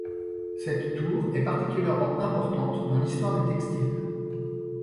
Cette tour est particulièrement importante dans l'histoire du textile.